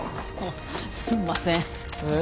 すんません。